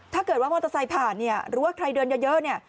ถ้าเกิดว่ามอเตอร์ไซด์ผ่านหรือว่าใครเดินเยอะ